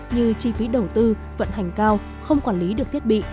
như chi phí đầu tư vận hành cao không quản lý được thiết bị